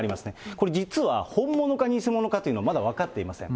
これ、実は本物か偽物かというのはまだ分かっていません。